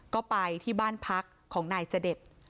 ก็ไปที่บ้านพักของนายจเดช